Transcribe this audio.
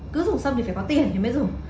cứ dùng xâm thì phải có tiền thì mới dùng